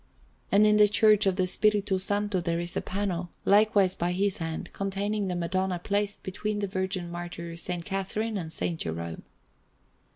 And in the Church of the Spirito Santo there is a panel, likewise by his hand, containing the Madonna placed between the Virgin Martyr S. Catharine and S. Jerome.